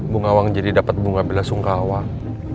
bunga wang jadi dapet bunga belasungka wang